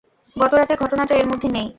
গত রাতের ঘটনাটা এর মধ্যে নেই।